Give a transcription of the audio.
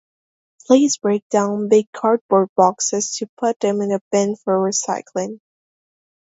Please break down big cardboard boxes to put them in a bin for recycling